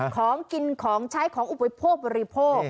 ของกินของใช้ของอุปโภคบริโภค